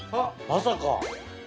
まさか。